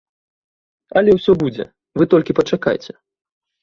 Але ўсё будзе, вы толькі пачакайце!